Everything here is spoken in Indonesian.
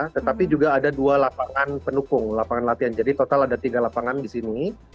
tetapi juga ada dua lapangan penukung lapangan latihan jadi total ada tiga lapangan di sini